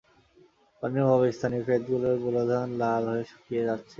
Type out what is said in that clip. পানির অভাবে স্থানীয় খেতগুলোর বোরো ধান লাল হয়ে শুকিয়ে যাচ্ছে।